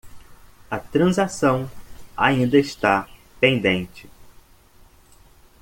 A transação ainda está pendente.